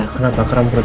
kenapa kerap beratnya